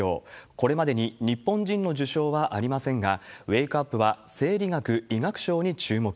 これまでに日本人の受賞はありませんが、ウエークは、生理学・医学賞に注目。